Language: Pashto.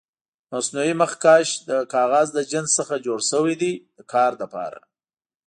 مصنوعي مخکش د کاغذ له جنس څخه جوړ شوي دي د کار لپاره.